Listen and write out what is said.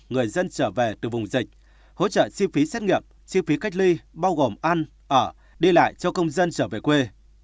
người dân trở về từ vùng dịch hỗ trợ chi phí xét nghiệm chi phí cách ly bao gồm ăn ở đi lại cho công dân trở về quê